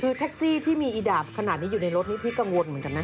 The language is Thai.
คือแท็กซี่ที่มีอีดาบขนาดนี้อยู่ในรถนี้พี่กังวลเหมือนกันนะ